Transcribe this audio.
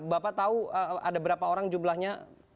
bapak tahu ada berapa orang jumlahnya